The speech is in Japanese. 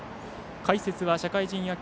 解説は社会人野球